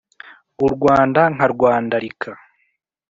u Rwanda nkarwandarika